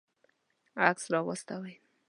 عکس راواستوئ